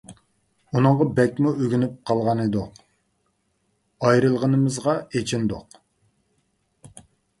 ئۇنىڭغا بەكمۇ ئۆگىنىپ قالغانىدۇق، ئايرىلغىنىمىزغا ئېچىندۇق.